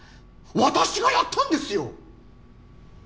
私がやったんですよ！